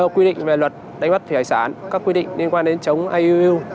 quy định về luật đánh bắt thủy hải sản các quy định liên quan đến chống iuu